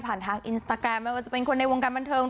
ทางอินสตาแกรมไม่ว่าจะเป็นคนในวงการบันเทิง